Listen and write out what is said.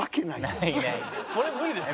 これ無理でしょ？